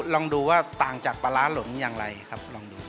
ลองดูว่าต่างจากปลาร้าหล่นอย่างไรครับลองดู